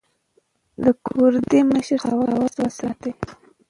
د کوردي مشر سخاوت یې وستایه.